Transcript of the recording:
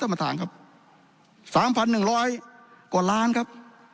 ประธานครับ๓๑๐๐กว่าล้านครับ